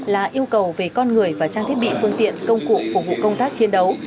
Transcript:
là yêu cầu về con người và trang thiết bị phương tiện công cụ phục vụ công tác chiến đấu